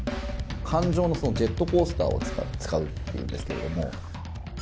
感情のジェットコースターを使うっていうんですけども。